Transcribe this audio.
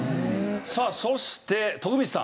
さあそして徳光さん。